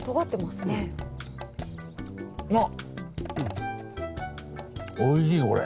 あっおいしいよこれ。